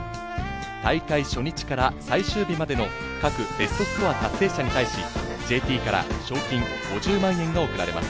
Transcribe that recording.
大会初日から最終日までの各ベストスコア達成者に対し、ＪＴから賞金５０万円が贈られます。